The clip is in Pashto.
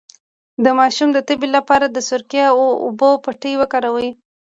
د ماشوم د تبې لپاره د سرکې او اوبو پټۍ وکاروئ